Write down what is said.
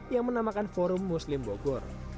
yang menamakan forum muslim bogor